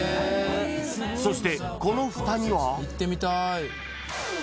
［そしてこのふたには］